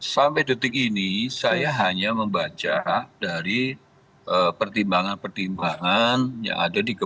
sampai detik ini saya hanya membaca dari pertimbangan pertimbangan yang ada di kpk